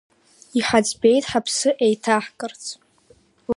Иҳаӡбеит ҳаԥсы еиҭаҳкырц.